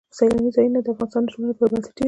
سیلاني ځایونه د افغانستان د ټولنې لپاره بنسټیز دي.